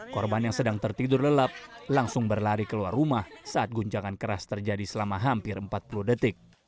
korban yang sedang tertidur lelap langsung berlari keluar rumah saat guncangan keras terjadi selama hampir empat puluh detik